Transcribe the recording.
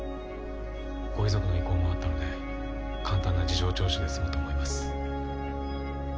ご遺族の意向もあったので簡単な事情聴取で済むと思います。